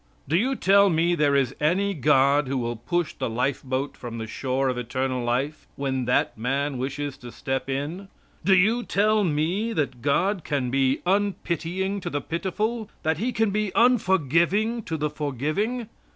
Do you tell me there is any God who will push the life boat from the shore of eternal life, when that man wishes to step in? Do you tell me that God can be unpitying to the pitiful, that He can be unforgiving to the forgiving?